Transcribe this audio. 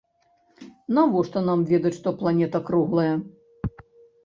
Навошта нам ведаць, што планета круглая?